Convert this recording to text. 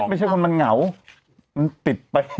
ไม่ใช่ว่ามันเหงามันติดไป